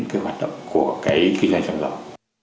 cái hoạt động của cái kinh doanh xăng dầu